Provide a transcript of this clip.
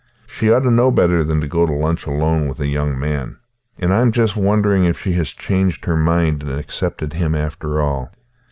She ought to know better than to go to lunch alone with a young man, and I am just wondering if she has changed her mind and accepted him after all.